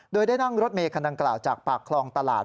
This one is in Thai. โดยได้นั่งรถเมย์คันดังกล่าวจากปากคลองตลาด